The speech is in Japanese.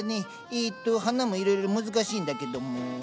えっと花もいろいろ難しいんだけども。